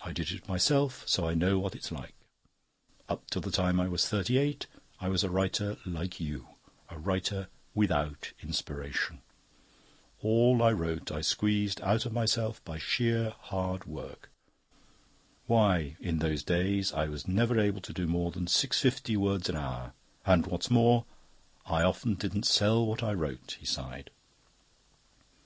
I did it myself, so I know what it's like. Up till the time I was thirty eight I was a writer like you a writer without Inspiration. All I wrote I squeezed out of myself by sheer hard work. Why, in those days I was never able to do more than six fifty words an hour, and what's more, I often didn't sell what I wrote." He sighed.